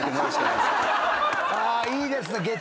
いいですね。